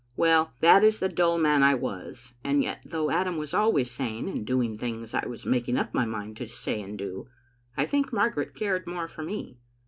"Well, that is the dull man I was; and yet, though Adam was always saying and doing the things I was making up my mind to say and do, I think Margaret cared more for me.